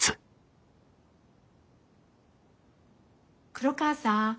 黒川さん